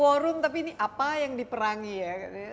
war room tapi ini apa yang diperangi ya